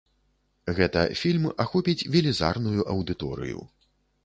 Гэта фільм ахопіць велізарную аўдыторыю.